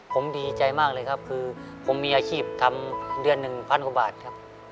ผมดีใจมากเลยครับคือผมมีอาชีพทำเดือนหนึ่งพันกว่าบาทครับ